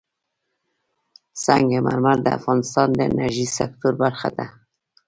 سنگ مرمر د افغانستان د انرژۍ سکتور برخه ده.